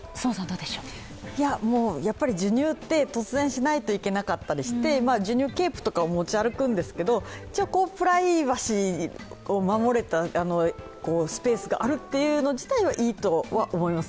やっぱり授乳って突然しないといけなかったりして、授乳ケープとかを持ち歩くんですけど、一応、プライバシーを守るスペースがあること自体はいいとは思います。